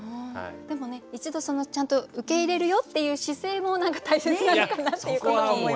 でもね一度ちゃんと受け入れるよっていう姿勢も何か大切なのかなっていうことを思いました。